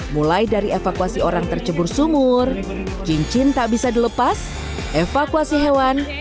mulai dari evakuasi orang tercebur sumur cincin tak bisa dilepas evakuasi hewan